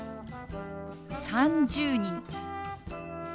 「３０人」。